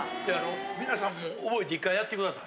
皆さんも覚えて一回やって下さい。